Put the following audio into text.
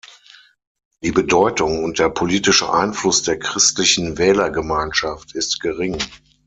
Die Bedeutung und der politische Einfluss der Christlichen Wählergemeinschaft ist gering.